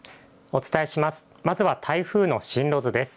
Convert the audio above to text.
お伝えします。